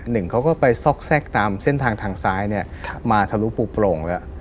หนึ่งเขาก็ไปซอกแทรกตามเส้นทางทางซ้ายเนี่ยมาทะลุปูโปร่งแล้ว